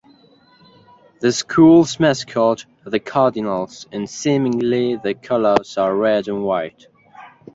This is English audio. The school's mascot are the Cardinals and seemingly their colors are Red and White.